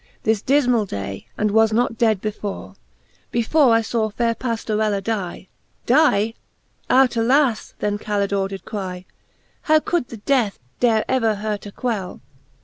This difmall day, and was not dead before,, Before I faw faire Pajiorella dye. Die ? out alas ! then Calidore did cry ; How could the death dare ever her to quell?